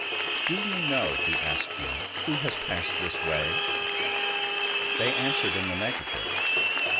Do you know,'' he asked them, '' who has passed this way ?" They answered in the negative.